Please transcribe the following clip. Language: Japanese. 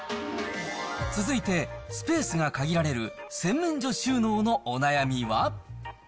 続いて、スペースが限られる洗面所収納のお悩みは。